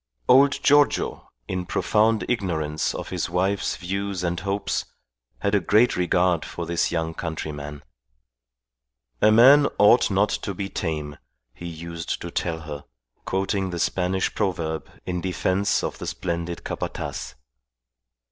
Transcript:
Old Giorgio, in profound ignorance of his wife's views and hopes, had a great regard for his young countryman. "A man ought not to be tame," he used to tell her, quoting the Spanish proverb in defence of the splendid Capataz.